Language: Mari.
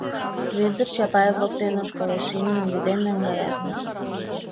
Вӧдыр Чапаев воктен ошкылеш, имньым вӱден наҥгаят.